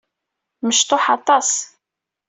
Mecṭuḥ aṭas.